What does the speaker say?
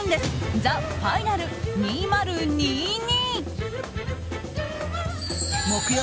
ＴＨＥＦＩＮＡＬ２０２２。